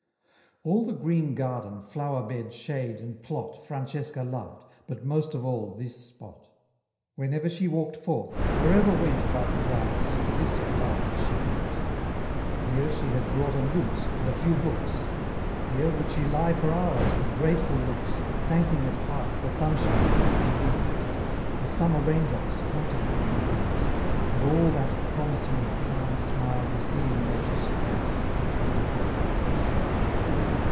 All the green garden, flower bed, shade, and plot, Francesca loved, bnt most of all this spot. Whenever she walked forth, wherever went About the grounds, to this at last she bent: Here she had brought a lute and li few books ; Here would she lie for hours, with grateful looks, . Thanking at heart the sunshine flAd the leaves. The summer rain drops counting from the eaves. And all that promising, calm smils we see In nature's. foce> when we look patiently.